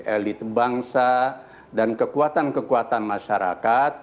elit bangsa dan kekuatan kekuatan masyarakat